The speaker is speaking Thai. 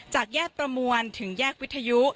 จากแยกประมวลถึงแยกวิทยุ